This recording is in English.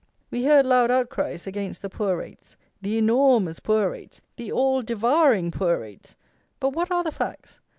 We hear loud outcries against the poor rates; the enormous poor rates; the all devouring poor rates; but what are the facts?